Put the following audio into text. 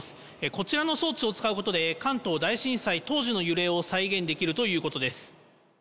こちらの装置を使うことで、関東大震災当時の揺れを再現できるということです。